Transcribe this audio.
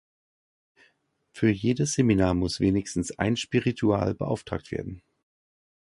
Für jedes Seminar muss wenigstens ein Spiritual beauftragt werden.